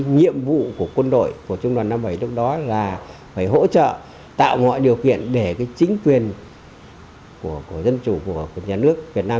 nhiệm vụ của quân đội của trung đoàn năm mươi bảy lúc đó là phải hỗ trợ tạo mọi điều kiện để chính quyền của dân chủ của nhà nước việt nam